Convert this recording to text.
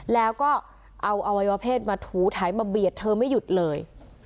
แล้วก็เอาอวัยวะเพศมาถูไถมาเบียดเธอไม่หยุดเลย